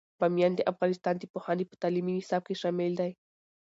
بامیان د افغانستان د پوهنې په تعلیمي نصاب کې شامل دی.